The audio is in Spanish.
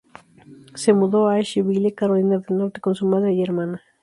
Se mudó a Asheville, Carolina del Norte con su madre y hermana.